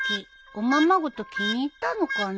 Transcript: おままごと気に入ったのかな？